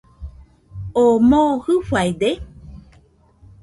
¿Oo moo jɨfaide?